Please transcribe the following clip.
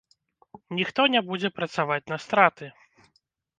Ніхто не будзе працаваць на страты.